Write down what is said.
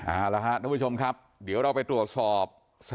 อ้าวล่ะฮะทุกผู้ชมครับเดี๋ยวเราไปตรวจสอบสถานการณ์